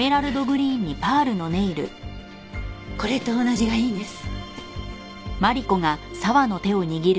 これと同じがいいんです。